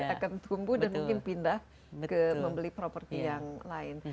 akan tumbuh dan mungkin pindah ke membeli properti yang lain